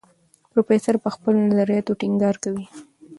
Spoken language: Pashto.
پروفیسور پر خپلو نظریاتو ټینګار کوي.